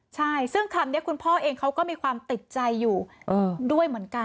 ใช่ซึ่งคำนี้คุณพ่อเองเขาก็มีความติดใจอยู่ด้วยเหมือนกัน